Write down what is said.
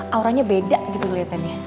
auranya beda gitu keliatannya